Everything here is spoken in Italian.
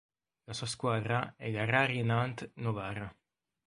La sua squadra è la Rari Nantes Novara.